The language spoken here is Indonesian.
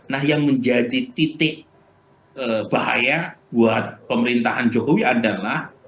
nah yang menjadi titik bahaya buat pemerintahan jokowi adalah